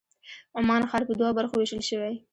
عمان ښار په دوو برخو وېشل شوی.